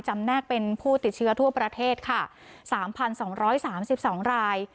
แนกเป็นผู้ติดเชื้อทั่วประเทศค่ะ๓๒๓๒ราย